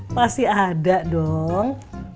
pasti ada dong